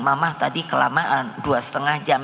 mama tadi kelamaan dua setengah jam